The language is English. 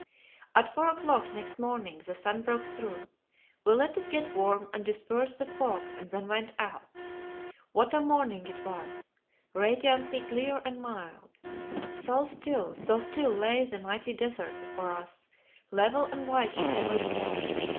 At four o'clock next morning the sun broke through. We let it get warm and disperse the fog, and then went out. What a morning it was radiantly clear and mild. So still, so still lay the mighty desert before us, level and white on every side.